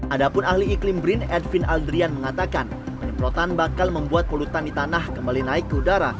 adapun ahli iklim brin edwin aldrian mengatakan penyemprotan bakal membuat polutan di tanah kembali naik ke udara